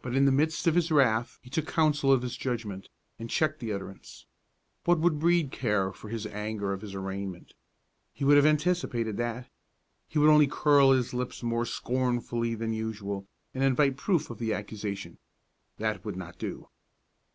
But in the midst of his wrath he took counsel of his judgment, and checked the utterance. What would Brede care for his anger or his arraignment? He would have anticipated that. He would only curl his lips more scornfully than usual, and invite proof of the accusation. That would not do.